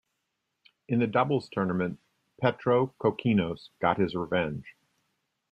In the doubles tournament, Petrokokkinos got his revenge.